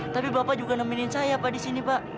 tapi bapak juga neminin saya pak disini pak